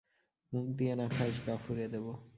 মুখ দিয়ে না খাস, গা ফুঁড়ে দেব।